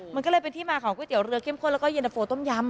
มันก็เลยเป็นที่มาของก๋วยเตี๋เรือเข้มข้นแล้วก็เย็นตะโฟต้มยำ